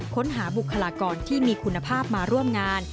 ค้นหาบุคลากรที่มีคุณภาพมาร่วมงาน